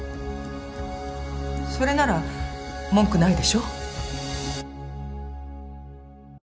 それなら文句ないでしょ？